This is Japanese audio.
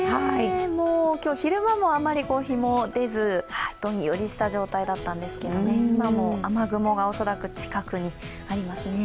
今日、昼間もあまり日も出ずどんよりとした状態だったんですけれども、今も雨雲が恐らく近くにありますね。